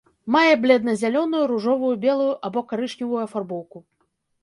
Мае бледна-зялёную, ружовую, белую або карычневую афарбоўку.